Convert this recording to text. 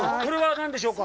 何でしょうか。